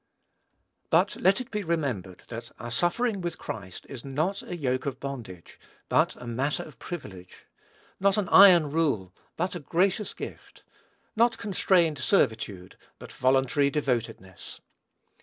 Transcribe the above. But let it be remembered that our suffering with Christ is not a yoke of bondage, but a matter of privilege; not an iron rule, but a gracious gift; not constrained servitude, but voluntary devotedness.